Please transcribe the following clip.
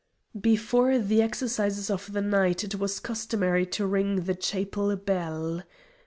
Before the exercises of the night it was customary to ring the "chapel" bell.